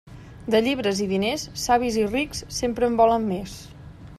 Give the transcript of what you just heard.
De llibres i diners, savis i rics sempre en volen més.